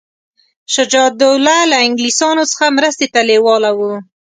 شجاع الدوله له انګلیسیانو څخه مرستې ته لېواله وو.